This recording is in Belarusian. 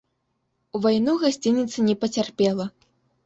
У вайну гасцініца не пацярпела.